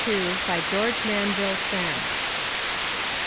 BY GEORGE MANVILLE FENN.